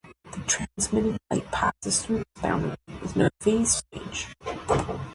The transmitted light passes through this boundary with no phase change.